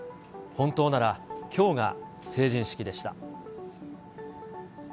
本当ならきょうが成人式でした。